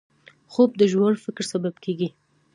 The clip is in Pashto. خوب د ژور فکر سبب کېږي